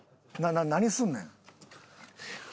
何すんねん？